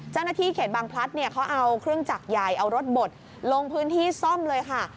เจ้าหน้าที่เขตบางพลัดเนี่ยเขาเอาเครื่องจักรใหญ่เอารถบดลงพื้นที่ซ่อมเลยค่ะ